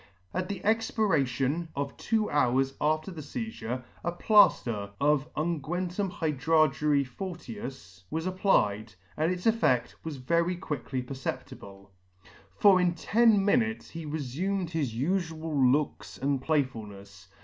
At the expiration of two hours after the feizure, a plafter of ung. hycLrarg. fort, was applied, and its effect was very quickly perceptible j for in ten minutes he refumed his ufual looks and playfulnefs.